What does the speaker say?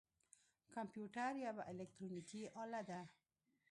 کمپیوټر یوه الکترونیکی آله ده